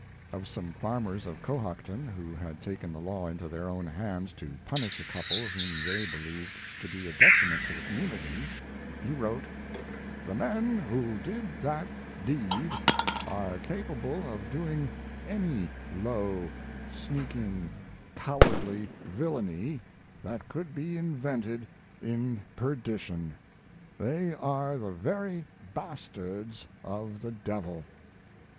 Of some farmers of Cohocton, who had taken the law into their own hands to punish a couple whom they believed to be a detriment to the community, he wrote: "The men who did that deed are capable of doing any low, sneaking, cowardly villainy that could be invented in perdition. They are the very bastards of the devil."